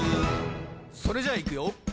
それじゃいくよ